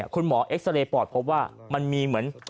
คุณหมอเอ็กซ์เรย์ปอดพบว่ามีเหมือน